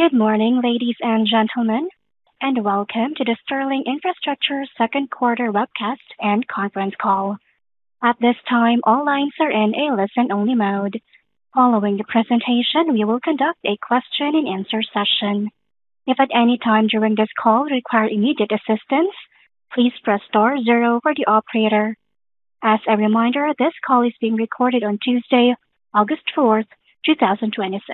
Good morning, ladies and gentlemen, and welcome to the Sterling Infrastructure second quarter webcast and conference call. At this time, all lines are in a listen-only mode. Following the presentation, we will conduct a question-and-answer session. If at any time during this call you require immediate assistance, please press star zero for the operator. As a reminder, this call is being recorded on Tuesday, August 4th, 2026.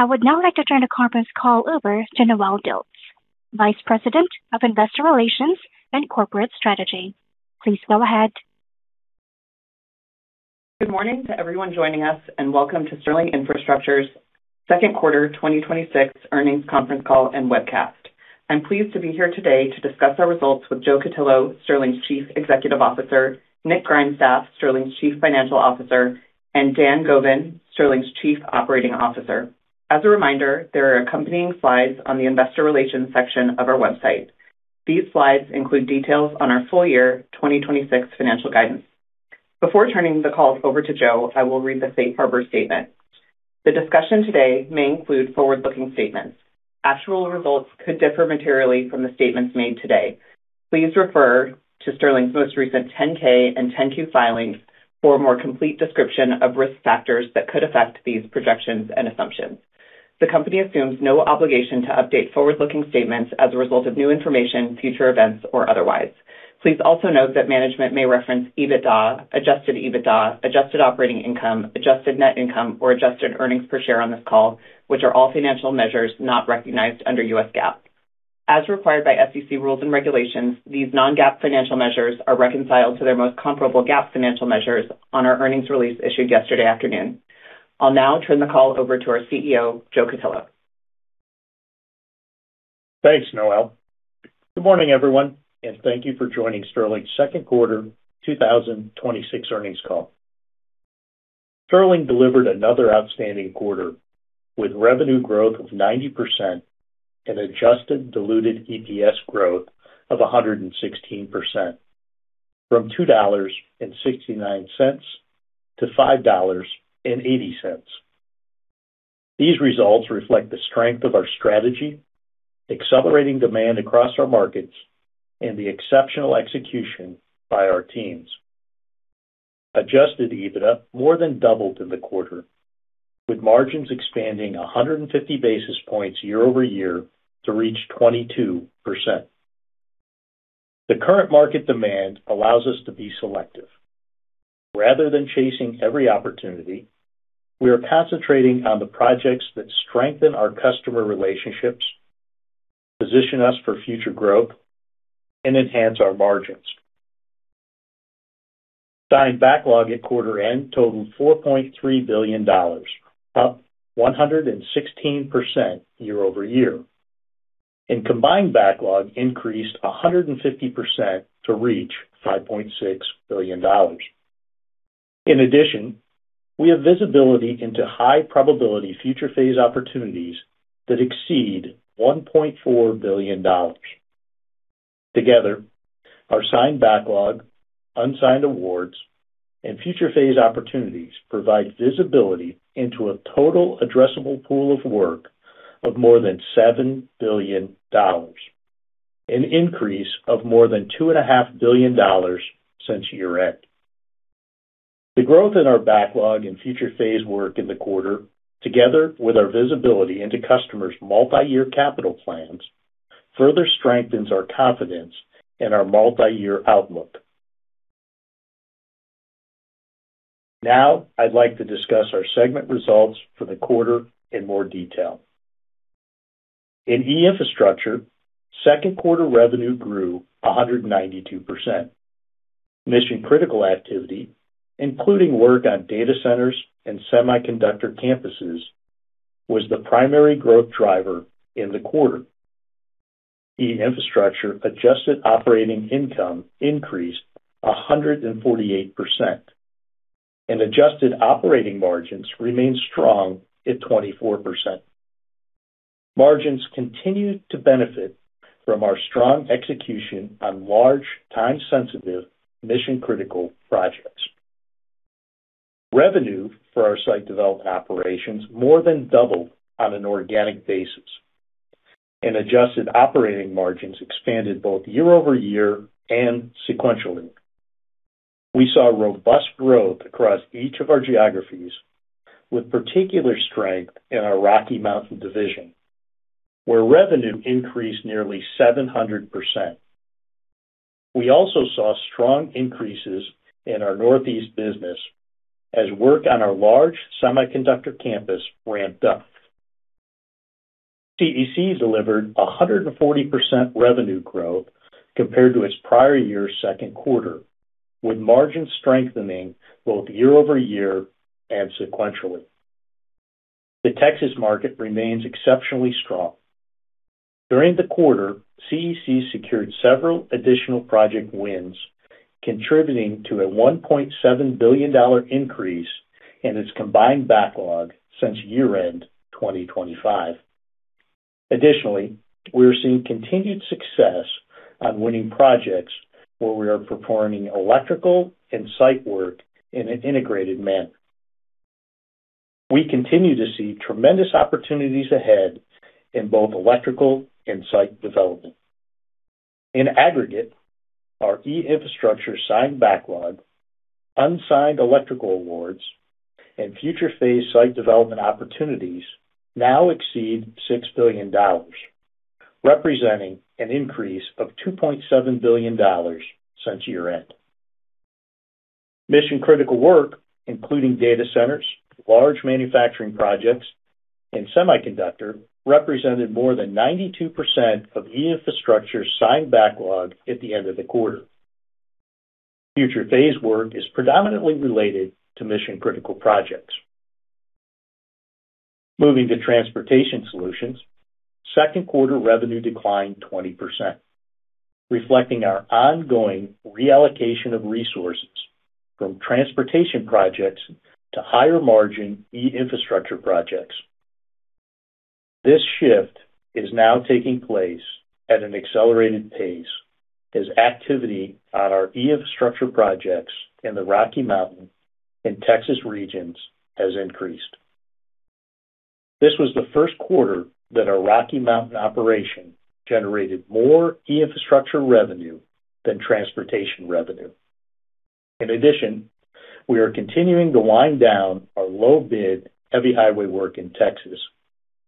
I would now like to turn the conference call over to Noelle Dilts, Vice President of Investor Relations and Corporate Strategy. Please go ahead. Good morning to everyone joining us, and welcome to Sterling Infrastructure's second quarter 2026 earnings conference call and webcast. I am pleased to be here today to discuss our results with Joe Cutillo, Sterling's Chief Executive Officer, Nick Grindstaff, Sterling's Chief Financial Officer, and Dan Govin, Sterling's Chief Operating Officer. As a reminder, there are accompanying slides on the investor relations section of our website. These slides include details on our full year 2026 financial guidance. Before turning the call over to Joe, I will read the safe harbor statement. The discussion today may include forward-looking statements. Actual results could differ materially from the statements made today. Please refer to Sterling's most recent 10-K and 10-Q filings for a more complete description of risk factors that could affect these projections and assumptions. The company assumes no obligation to update forward-looking statements as a result of new information, future events, or otherwise. Please also note that management may reference EBITDA, adjusted EBITDA, adjusted operating income, adjusted net income, or adjusted earnings per share on this call, which are all financial measures not recognized under U.S. GAAP. As required by SEC rules and regulations, these non-GAAP financial measures are reconciled to their most comparable GAAP financial measures on our earnings release issued yesterday afternoon. I will now turn the call over to our CEO, Joe Cutillo. Thanks, Noelle. Good morning, everyone, and thank you for joining Sterling's second quarter 2026 earnings call. Sterling delivered another outstanding quarter, with revenue growth of 90% and adjusted diluted EPS growth of 116%, from $2.69 to $5.80. These results reflect the strength of our strategy, accelerating demand across our markets, and the exceptional execution by our teams. Adjusted EBITDA more than doubled in the quarter, with margins expanding 150 basis points year-over-year to reach 22%. The current market demand allows us to be selective. Rather than chasing every opportunity, we are concentrating on the projects that strengthen our customer relationships, position us for future growth, and enhance our margins. Signed backlog at quarter end totaled $4.3 billion, up 116% year-over-year, and combined backlog increased 150% to reach $5.6 billion. In addition, we have visibility into high probability future phase opportunities that exceed $1.4 billion. Together, our signed backlog, unsigned awards, and future phase opportunities provide visibility into a total addressable pool of work of more than $7 billion, an increase of more than $2.5 billion since year-end. The growth in our backlog and future phase work in the quarter, together with our visibility into customers' multi-year capital plans, further strengthens our confidence in our multi-year outlook. Now, I'd like to discuss our segment results for the quarter in more detail. In E-infrastructure, second quarter revenue grew 192%. Mission-critical activity, including work on data centers and semiconductor campuses, was the primary growth driver in the quarter. E-infrastructure adjusted operating income increased 148%, and adjusted operating margins remained strong at 24%. Margins continued to benefit from our strong execution on large, time-sensitive mission-critical projects. Revenue for our site development operations more than doubled on an organic basis, and adjusted operating margins expanded both year-over-year and sequentially. We saw robust growth across each of our geographies, with particular strength in our Rocky Mountain division, where revenue increased nearly 700%. We also saw strong increases in our Northeast business as work on our large semiconductor campus ramped up. CEC delivered 140% revenue growth compared to its prior year's second quarter, with margins strengthening both year-over-year and sequentially. The Texas market remains exceptionally strong. During the quarter, CEC secured several additional project wins, contributing to a $1.7 billion increase in its combined backlog since year-end 2025. Additionally, we're seeing continued success on winning projects where we are performing electrical and site work in an integrated manner. We continue to see tremendous opportunities ahead in both electrical and site development. In aggregate, our E-infrastructure signed backlog, unsigned electrical awards, and future phase site development opportunities now exceed $6 billion, representing an increase of $2.7 billion since year-end. Mission-critical work, including data centers, large manufacturing projects, and semiconductor, represented more than 92% of E-infrastructure signed backlog at the end of the quarter. Future phase work is predominantly related to Mission-critical projects. Moving to Transportation Solutions, second quarter revenue declined 20%, reflecting our ongoing reallocation of resources from transportation projects to higher margin E-infrastructure projects. This shift is now taking place at an accelerated pace as activity on our E-infrastructure projects in the Rocky Mountain and Texas regions has increased. This was the first quarter that our Rocky Mountain operation generated more E-infrastructure revenue than transportation revenue. In addition, we are continuing to wind down our low bid, heavy highway work in Texas,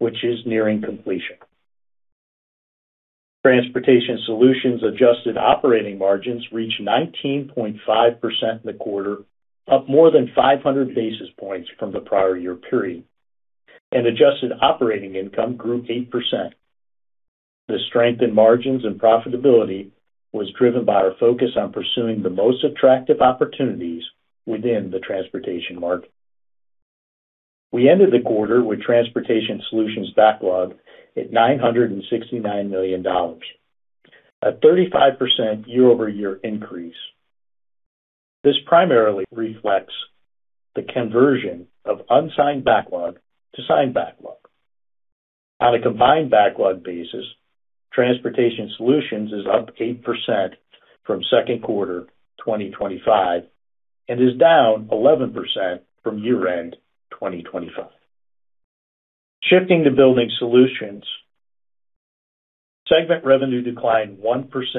which is nearing completion. Transportation Solutions adjusted operating margins reached 19.5% in the quarter, up more than 500 basis points from the prior year period, and adjusted operating income grew 8%. The strength in margins and profitability was driven by our focus on pursuing the most attractive opportunities within the transportation market. We ended the quarter with Transportation Solutions backlog at $969 million, a 35% year-over-year increase. This primarily reflects the conversion of unsigned backlog to signed backlog. On a combined backlog basis, Transportation Solutions is up 8% from second quarter 2025 and is down 11% from year-end 2025. Shifting to Building Solutions, segment revenue declined 1%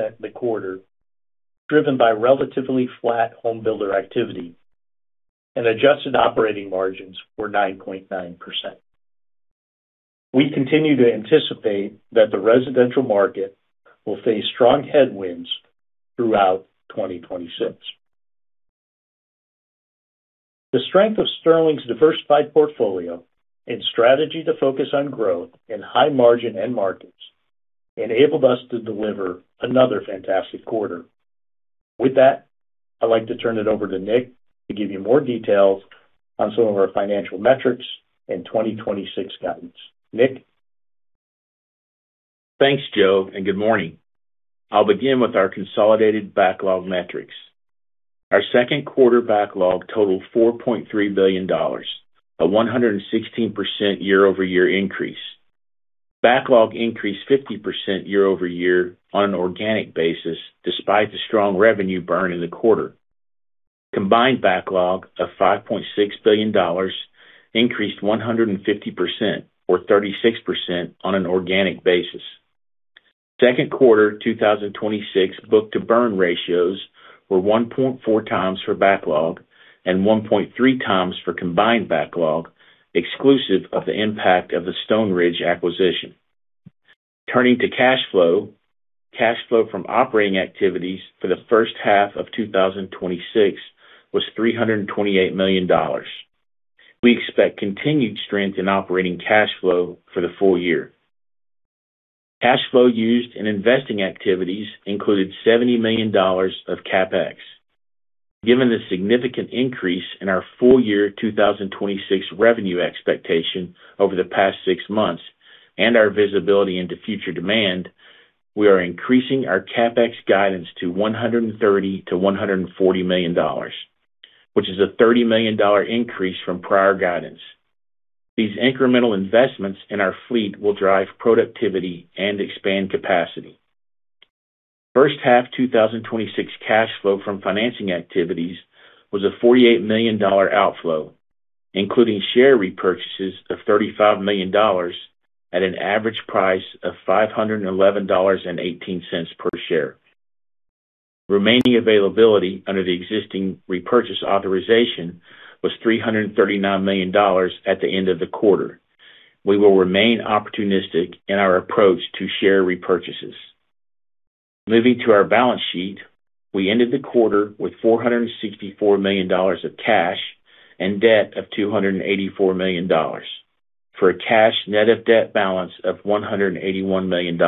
in the quarter, driven by relatively flat home builder activity and adjusted operating margins were 9.9%. We continue to anticipate that the residential market will face strong headwinds throughout 2026. The strength of Sterling's diversified portfolio and strategy to focus on growth in high margin end markets enabled us to deliver another fantastic quarter. With that, I'd like to turn it over to Nick to give you more details on some of our financial metrics and 2026 guidance. Nick? Thanks, Joe, good morning. I'll begin with our consolidated backlog metrics. Our second quarter backlog totaled $4.3 billion, a 116% year-over-year increase. Backlog increased 50% year-over-year on an organic basis, despite the strong revenue burn in the quarter. Combined backlog of $5.6 billion increased 150%, or 36% on an organic basis. Second quarter 2026 book-to-burn ratios were 1.4x for backlog and 1.3x for combined backlog, exclusive of the impact of the StoneRidge acquisition. Turning to cash flow, cash flow from operating activities for the first half of 2026 was $328 million. We expect continued strength in operating cash flow for the full year. Cash flow used in investing activities included $70 million of CapEx. Given the significant increase in our full year 2026 revenue expectation over the past six months and our visibility into future demand, we are increasing our CapEx guidance to $130 million to $140 million, which is a $30 million increase from prior guidance. These incremental investments in our fleet will drive productivity and expand capacity. First half 2026 cash flow from financing activities was a $48 million outflow, including share repurchases of $35 million at an average price of $511.18 per share. Remaining availability under the existing repurchase authorization was $339 million at the end of the quarter. We will remain opportunistic in our approach to share repurchases. Moving to our balance sheet, we ended the quarter with $464 million of cash and debt of $284 million, for a cash net of debt balance of $181 million.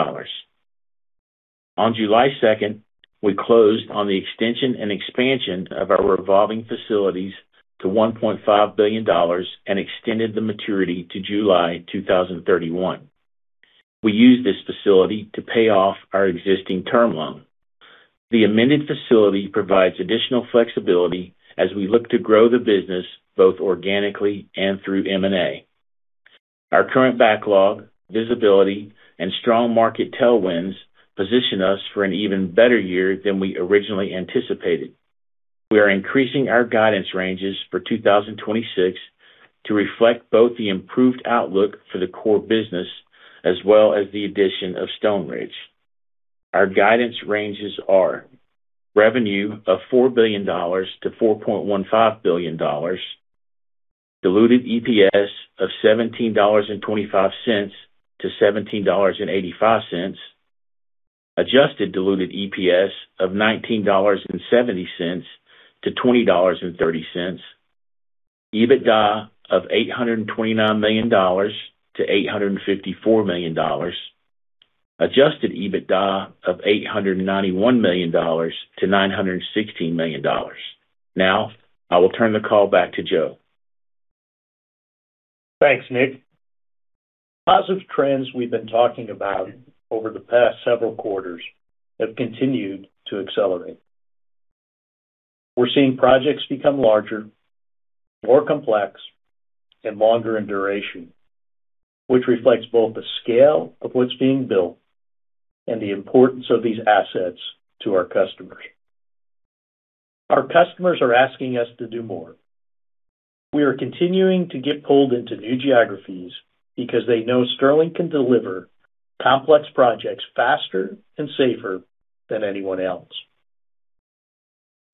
On July 2nd, we closed on the extension and expansion of our revolving facilities to $1.5 billion and extended the maturity to July 2031. We used this facility to pay off our existing term loan. The amended facility provides additional flexibility as we look to grow the business both organically and through M&A. Our current backlog, visibility, and strong market tailwinds position us for an even better year than we originally anticipated. We are increasing our guidance ranges for 2026 to reflect both the improved outlook for the core business as well as the addition of StoneRidge. Our guidance ranges are revenue of $4 billion to $4.15 billion, diluted EPS of $17.25 to $17.85, adjusted diluted EPS of $19.70 to $20.30. EBITDA of $829 million to $854 million, adjusted EBITDA of $891 million-$916 million. Now, I will turn the call back to Joe. Thanks, Nick. Positive trends we've been talking about over the past several quarters have continued to accelerate. We're seeing projects become larger, more complex, and longer in duration, which reflects both the scale of what's being built and the importance of these assets to our customers. Our customers are asking us to do more. We are continuing to get pulled into new geographies because they know Sterling can deliver complex projects faster and safer than anyone else.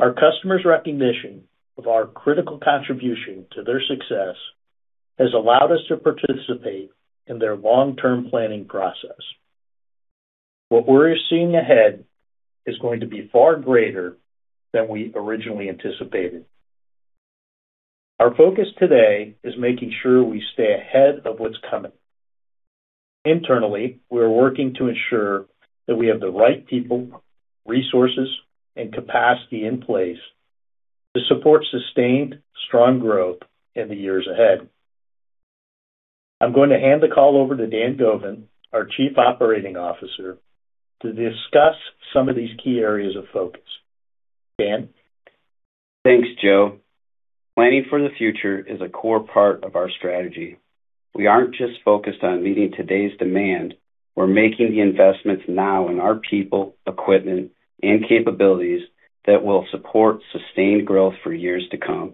Our customers' recognition of our critical contribution to their success has allowed us to participate in their long-term planning process. What we're seeing ahead is going to be far greater than we originally anticipated. Our focus today is making sure we stay ahead of what's coming. Internally, we are working to ensure that we have the right people, resources, and capacity in place to support sustained strong growth in the years ahead. I'm going to hand the call over to Dan Govin, our Chief Operating Officer, to discuss some of these key areas of focus. Dan? Thanks, Joe. Planning for the future is a core part of our strategy. We aren't just focused on meeting today's demand, we're making the investments now in our people, equipment, and capabilities that will support sustained growth for years to come.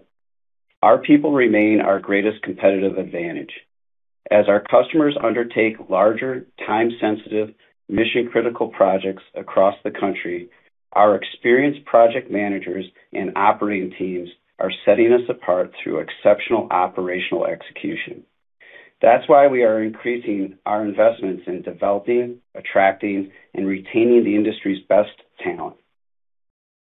Our people remain our greatest competitive advantage. As our customers undertake larger time-sensitive mission-critical projects across the country, our experienced project managers and operating teams are setting us apart through exceptional operational execution. That's why we are increasing our investments in developing, attracting, and retaining the industry's best talent.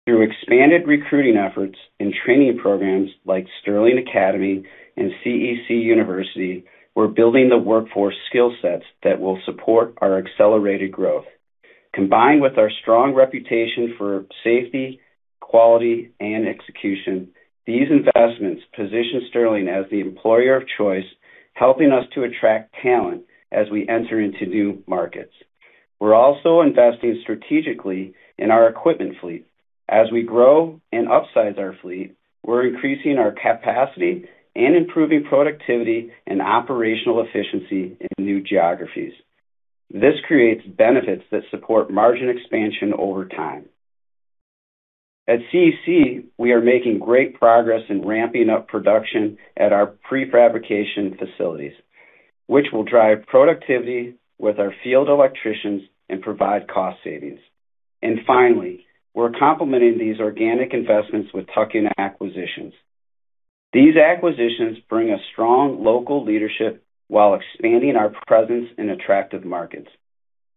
Through expanded recruiting efforts and training programs like Sterling Academy and CEC University, we're building the workforce skill sets that will support our accelerated growth. Combined with our strong reputation for safety, quality, and execution, these investments position Sterling as the employer of choice, helping us to attract talent as we enter into new markets. We're also investing strategically in our equipment fleet. As we grow and upsize our fleet, we're increasing our capacity and improving productivity and operational efficiency in new geographies. This creates benefits that support margin expansion over time. At CEC, we are making great progress in ramping up production at our prefabrication facilities, which will drive productivity with our field electricians and provide cost savings. Finally, we're complementing these organic investments with tuck-in acquisitions. These acquisitions bring a strong local leadership while expanding our presence in attractive markets.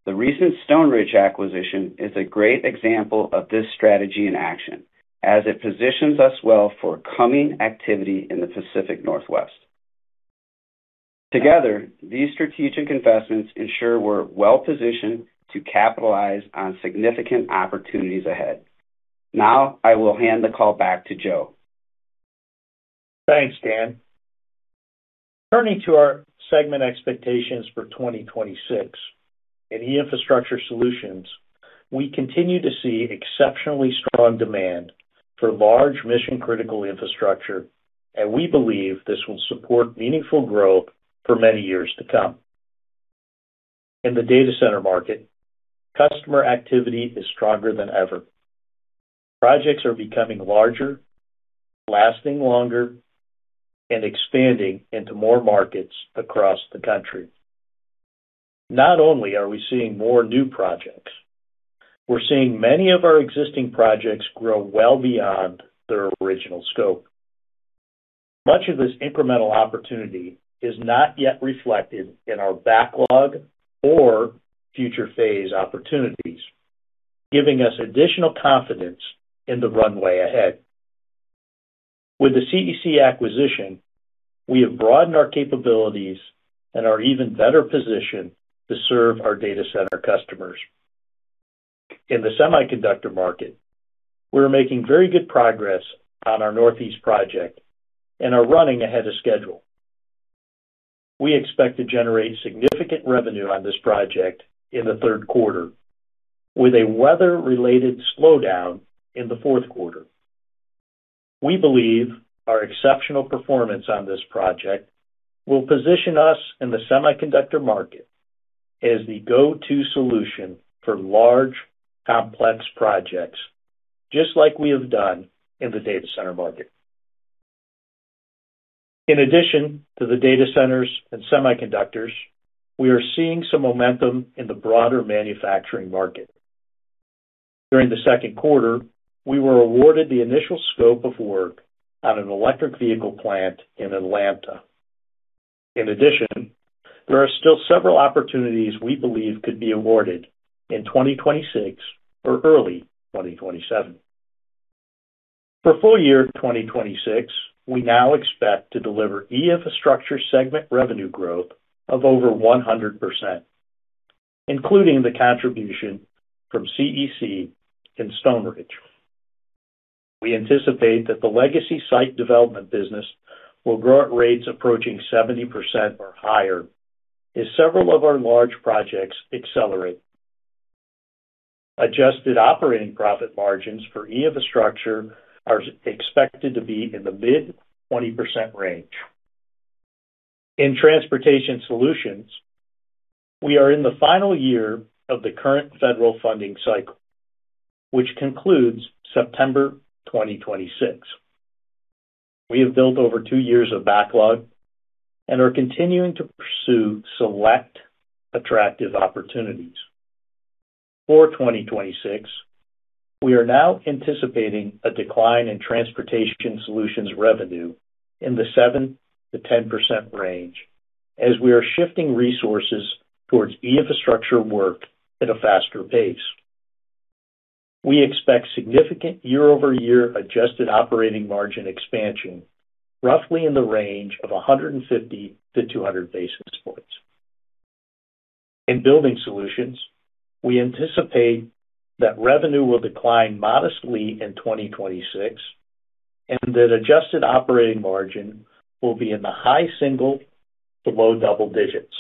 The recent StoneRidge acquisition is a great example of this strategy in action, as it positions us well for coming activity in the Pacific Northwest. Together, these strategic investments ensure we're well-positioned to capitalize on significant opportunities ahead. I will hand the call back to Joe. Thanks, Dan. Turning to our segment expectations for 2026. In E-Infrastructure Solutions, we continue to see exceptionally strong demand for large mission-critical infrastructure. We believe this will support meaningful growth for many years to come. In the data center market, customer activity is stronger than ever. Projects are becoming larger, lasting longer, and expanding into more markets across the country. Not only are we seeing more new projects, we're seeing many of our existing projects grow well beyond their original scope. Much of this incremental opportunity is not yet reflected in our backlog or future phase opportunities, giving us additional confidence in the runway ahead. With the CEC acquisition, we have broadened our capabilities and are even better positioned to serve our data center customers. In the semiconductor market, we are making very good progress on our Northeast project and are running ahead of schedule. We expect to generate significant revenue on this project in the third quarter, with a weather-related slowdown in the fourth quarter. We believe our exceptional performance on this project will position us in the semiconductor market as the go-to solution for large, complex projects, just like we have done in the data center market. In addition to the data centers and semiconductors, we are seeing some momentum in the broader manufacturing market. During the second quarter, we were awarded the initial scope of work on an electric vehicle plant in Atlanta. In addition, there are still several opportunities we believe could be awarded in 2026 or early 2027. For full year 2026, we now expect to deliver E-Infrastructure segment revenue growth of over 100%, including the contribution from CEC and StoneRidge. We anticipate that the legacy site development business will grow at rates approaching 70% or higher as several of our large projects accelerate. Adjusted operating profit margins for E-Infrastructure are expected to be in the mid 20% range. In Transportation Solutions, we are in the final year of the current federal funding cycle, which concludes September 2026. We have built over two years of backlog and are continuing to pursue select attractive opportunities. For 2026, we are now anticipating a decline in Transportation Solutions revenue in the 7% to 10% range, as we are shifting resources towards E-Infrastructure work at a faster pace. We expect significant year-over-year adjusted operating margin expansion, roughly in the range of 150 to 200 basis points. In Building Solutions, we anticipate that revenue will decline modestly in 2026, and that adjusted operating margin will be in the high single to low double digits.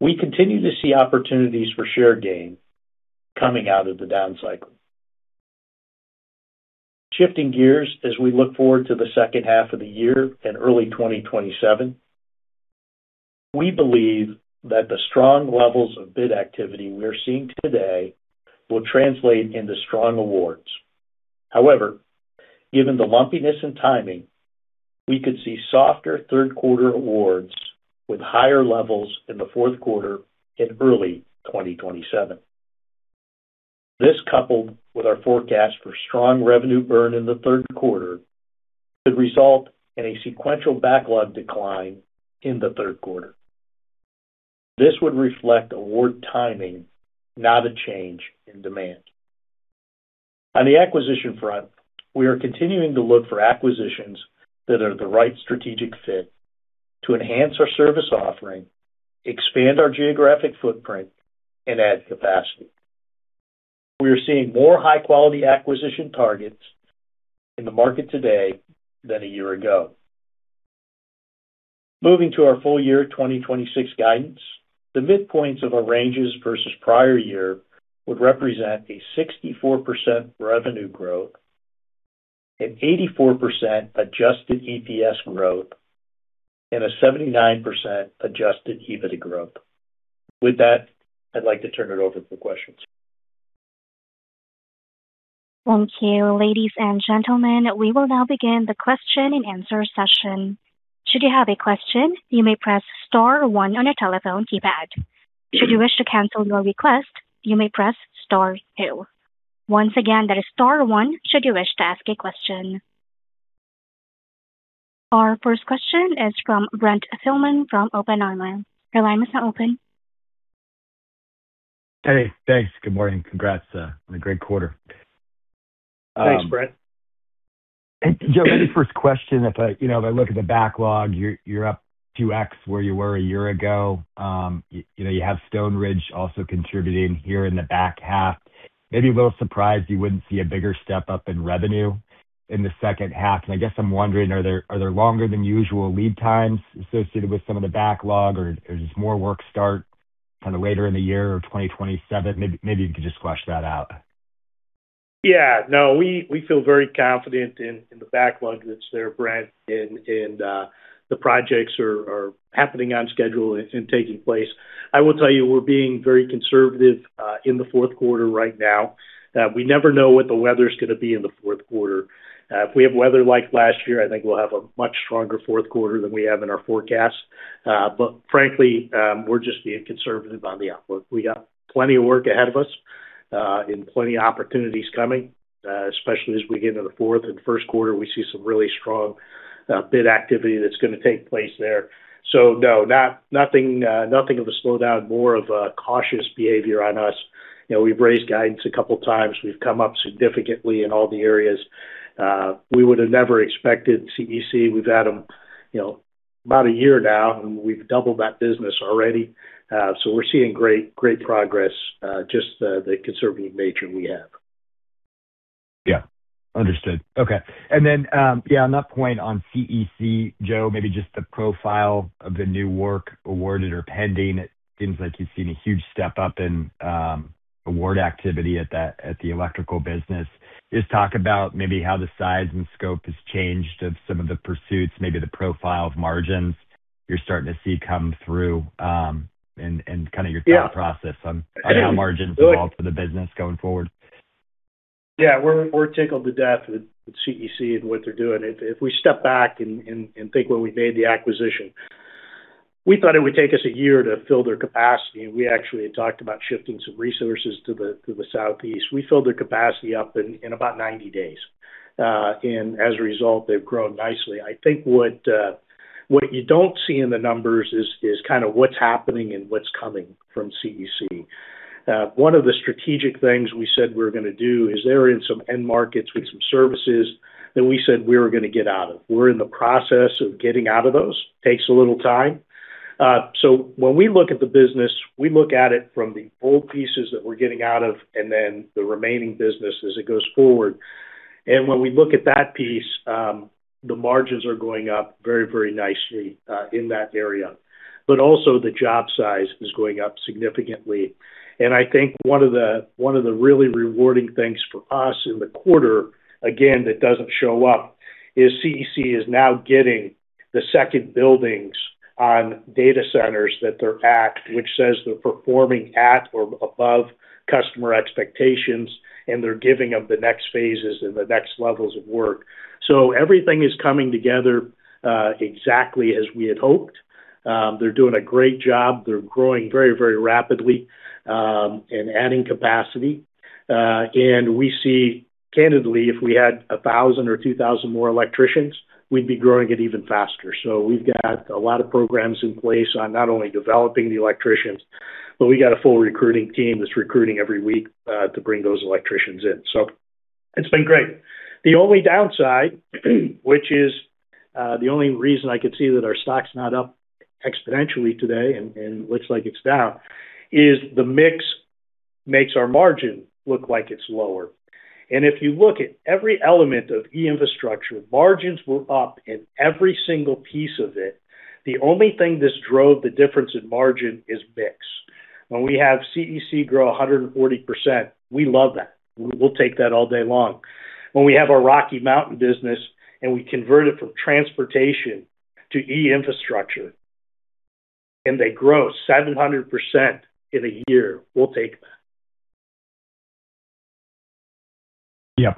We continue to see opportunities for share gain coming out of the down cycle. Shifting gears as we look forward to the second half of the year and early 2027, we believe that the strong levels of bid activity we're seeing today will translate into strong awards. However, given the lumpiness and timing, we could see softer third quarter awards with higher levels in the fourth quarter and early 2027. This, coupled with our forecast for strong revenue burn in the third quarter, could result in a sequential backlog decline in the third quarter. This would reflect award timing, not a change in demand. On the acquisition front, we are continuing to look for acquisitions that are the right strategic fit to enhance our service offering, expand our geographic footprint, and add capacity. We are seeing more high-quality acquisition targets in the market today than a year ago. Moving to our full year 2026 guidance, the midpoints of our ranges versus prior year would represent a 64% revenue growth, an 84% adjusted EPS growth, and a 79% adjusted EBITDA growth. With that, I'd like to turn it over for questions. Thank you. Ladies and gentlemen, we will now begin the question-and-answer session. Should you have a question, you may press star one on your telephone keypad. Should you wish to cancel your request, you may press star two. Once again, that is star one should you wish to ask a question. Our first question is from Brent Thielman from Oppenheimer. Your line is now open. Hey, thanks. Good morning. Congrats on a great quarter. Thanks, Brent. Joe, maybe first question. If I look at the backlog, you're up 2X where you were a year ago. You have StoneRidge also contributing here in the back half. Maybe a little surprised you wouldn't see a bigger step-up in revenue in the second half. I guess I'm wondering, are there longer than usual lead times associated with some of the backlog, or does more work start kind of later in the year of 2027? Maybe you could just squash that out. Yeah, no, we feel very confident in the backlog that's there, Brent, the projects are happening on schedule and taking place. I will tell you, we're being very conservative in the fourth quarter right now. We never know what the weather's going to be in the fourth quarter. If we have weather like last year, I think we'll have a much stronger fourth quarter than we have in our forecast. Frankly, we're just being conservative on the outlook. We got plenty of work ahead of us and plenty of opportunities coming, especially as we get into the fourth and first quarter, we see some really strong bid activity that's going to take place there. No, nothing of a slowdown, more of a cautious behavior on us. We've raised guidance a couple of times. We've come up significantly in all the areas. We would have never expected CEC. We've had them about a year now; we've doubled that business already. We're seeing great progress, just the conservative nature we have. Yeah. Understood. Okay. Then on that point on CEC, Joe, maybe just the profile of the new work awarded or pending. It seems like you've seen a huge step up in award activity at the electrical business. Just talk about maybe how the size and scope has changed of some of the pursuits, maybe the profile of margins you're starting to see come through, and kind of your thought process on how margins evolve for the business going forward. Yeah. We're tickled to death with CEC and what they're doing. If we step back and think when we made the acquisition, we thought it would take us a year to fill their capacity, and we actually had talked about shifting some resources to the Southeast. We filled their capacity up in about 90 days. As a result, they've grown nicely. I think what you don't see in the numbers is kind of what's happening and what's coming from CEC. One of the strategic things we said we were going to do is they're in some end markets with some services that we said we were going to get out of. We're in the process of getting out of those. Takes a little time. When we look at the business, we look at it from the old pieces that we're getting out of and then the remaining business as it goes forward. When we look at that piece, the margins are going up very nicely in that area. Also, the job size is going up significantly. I think one of the really rewarding things for us in the quarter, again, that doesn't show up, is CEC is now getting the second buildings on data centers that they're at, which says they're performing at or above customer expectations, and they're giving them the next phases and the next levels of work. Everything is coming together exactly as we had hoped. They're doing a great job. They're growing very rapidly and adding capacity. We see, candidly, if we had 1,000 or 2,000 more electricians, we'd be growing it even faster. We've got a lot of programs in place on not only developing the electricians, but we got a full recruiting team that's recruiting every week to bring those electricians in. It's been great. The only downside, which is the only reason I could see that our stock's not up exponentially today and looks like it's down, is the mix makes our margin look like it's lower. If you look at every element of E-infrastructure, margins were up in every single piece of it. The only thing this drove the difference in margin is mix. When we have CEC grow 140%, we love that. We'll take that all day long. When we have our Rocky Mountain business and we convert it from Transportation to E-infrastructure, and they grow 700% in a year, we'll take that. Yeah.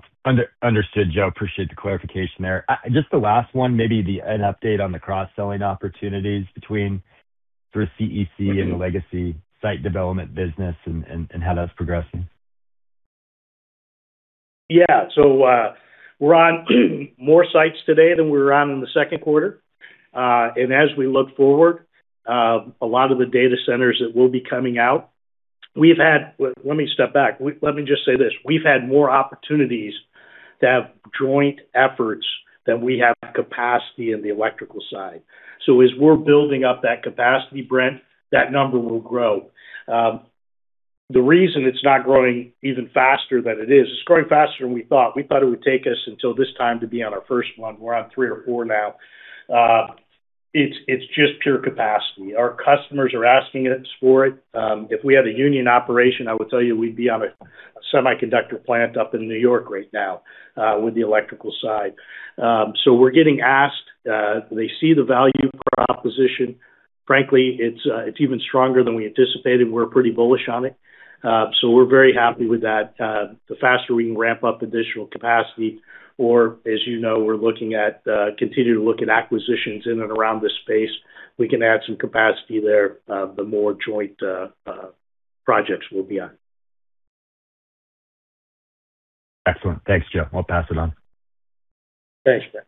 Understood, Joe. Appreciate the clarification there. Just the last one, maybe an update on the cross-selling opportunities between sort of CEC and the legacy site development business and how that's progressing. Yeah. We're on more sites today than we were on in the second quarter. As we look forward, a lot of the data centers that will be coming out, let me step back. Let me just say this. We've had more opportunities to have joint efforts than we have capacity in the electrical side. As we're building up that capacity, Brent, that number will grow. The reason it's not growing even faster than it is, it's growing faster than we thought. We thought it would take us until this time to be on our first one. We're on three or four now. It's just pure capacity. Our customers are asking us for it. If we had a union operation, I would tell you we'd be on a semiconductor plant up in New York right now with the electrical side. We're getting asked. They see the value of our proposition. Frankly, it's even stronger than we anticipated. We're pretty bullish on it. We're very happy with that. The faster we can ramp up additional capacity, or, as you know, we continue to look at acquisitions in and around this space. We can add some capacity there, the more joint projects we'll be on. Excellent. Thanks, Joe. I'll pass it on. Thanks, Brent.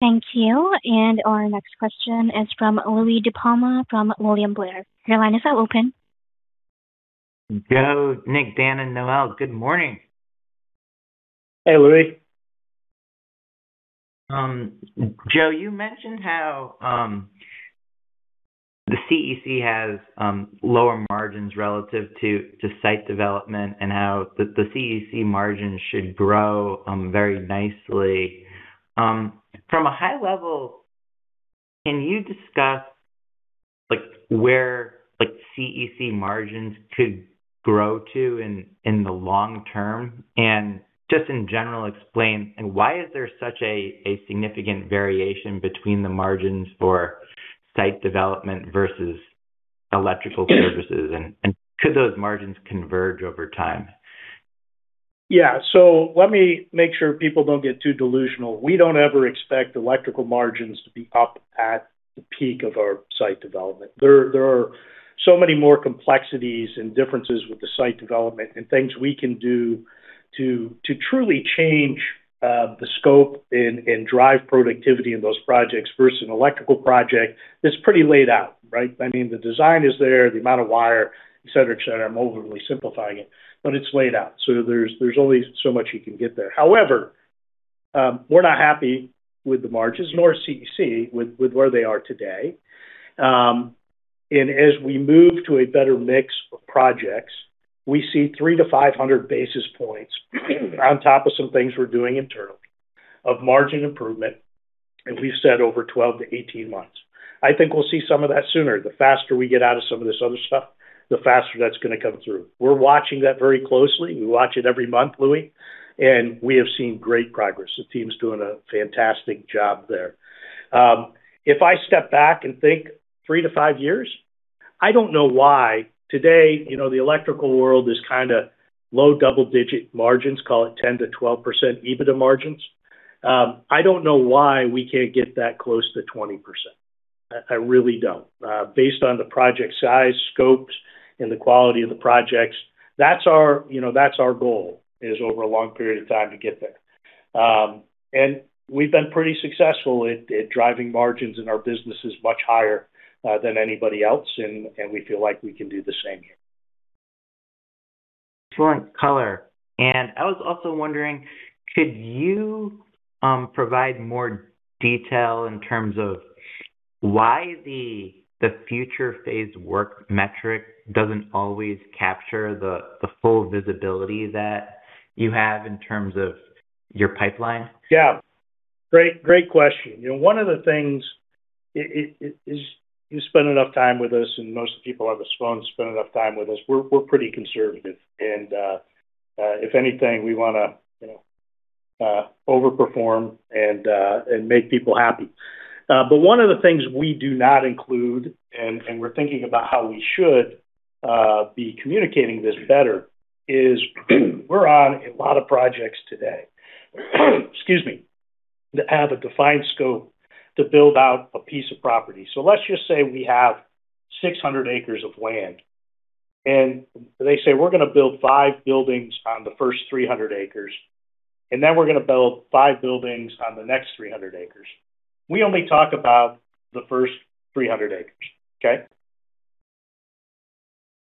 Thank you. Our next question is from Louie DiPalma from William Blair. Your line is now open. Joe, Nick, Dan, and Noelle, good morning. Hey, Louie. Joe, you mentioned how the CEC has lower margins relative to site development and how the CEC margins should grow very nicely. From a high level, can you discuss where CEC margins could grow to in the long term? Just in general, explain why is there such a significant variation between the margins for site development versus electrical services? Could those margins converge over time? Yeah. Let me make sure people don't get too delusional. We don't ever expect electrical margins to be up at the peak of our site development. There are so many more complexities and differences with the site development and things we can do to truly change the scope and drive productivity in those projects versus an electrical project that's pretty laid out, right? I mean, the design is there, the amount of wire, et cetera. I'm overly simplifying it, but it's laid out. There's only so much you can get there. However, we're not happy with the margins, nor is CEC, with where they are today. As we move to a better mix of projects, we see 300 to 500 basis points on top of some things we're doing internally of margin improvement, as we've said, over 12 to 18 months. I think we'll see some of that sooner. The faster we get out of some of this other stuff, the faster that's going to come through. We're watching that very closely. We watch it every month, Louie, we have seen great progress. The team's doing a fantastic job there. If I step back and think three to five years, I don't know why today the electrical world is kind of low double-digit margins, call it 10%-12% EBITDA margins. I don't know why we can't get that close to 20%. I really don't. Based on the project size, scopes, and the quality of the projects, that's our goal, is over a long period of time to get there. We've been pretty successful at driving margins in our businesses much higher than anybody else, we feel like we can do the same here. Excellent color. I was also wondering, could you provide more detail in terms of why the future phase work metric doesn't always capture the full visibility that you have in terms of your pipeline? Yeah. Great question. One of the things is you spend enough time with us, and most of the people on this phone spend enough time with us, we're pretty conservative. If anything, we want to over-perform and make people happy. One of the things we do not include, and we're thinking about how we should be communicating this better, is we're on a lot of projects today. Excuse me. That have a defined scope to build out a piece of property. Let's just say we have 600 acres of land, and they say, "We're going to build five buildings on the first 300 acres, and then we're going to build five buildings on the next 300 acres." We only talk about the first 300 acres. Okay?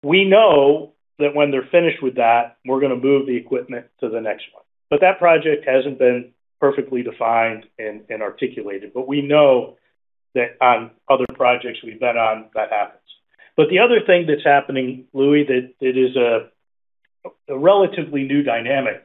We know that when they're finished with that, we're going to move the equipment to the next one. That project hasn't been perfectly defined and articulated. The other thing that's happening, Louie, that is a relatively new dynamic,